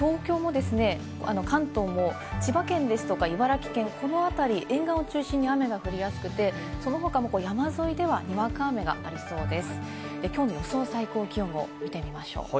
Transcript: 東京もですね、この関東も千葉県ですとか茨城県、このあたり、沿岸を中心に雨が降りやすくて、その他も山沿いではにわか雨がありそうです。